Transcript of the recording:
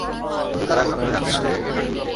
অথচ তারা ঘুণাক্ষরেও জানবে না যে, এর নাটের গুরু কে।